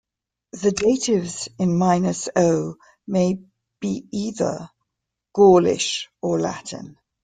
The datives in "-o" may be either Gaulish or Latin.